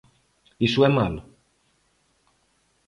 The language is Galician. ¿Iso é malo?